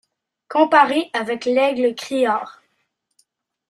Comparer avec l'aigle criard.